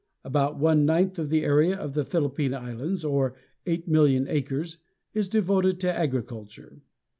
About one ninth of the area of the Philippine Islands, or 8,000,000 acres, is devoted to agriculture.